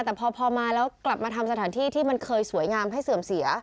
แต่พอมาแล้วกลับมาทำสถานที่ที่มันเคยสวยงามให้เสื่อมเสีย